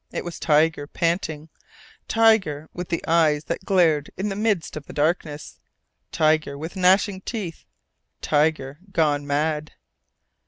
It was Tiger, panting, Tiger with eyes that glared in the midst of the darkness, Tiger with gnashing teeth Tiger gone mad.